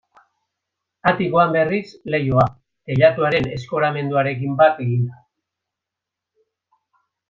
Atikoan, berriz, leihoa, teilatuaren eskoramenduarekin bat eginda.